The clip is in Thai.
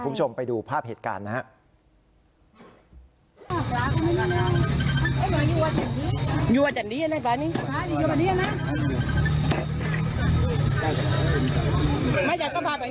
คุณผู้ชมไปดูภาพเหตุการณ์นะครับ